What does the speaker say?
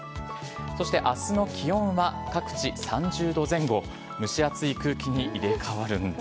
そして、あすの気温は、各地３０度前後、蒸し暑い空気に入れ替わるんです。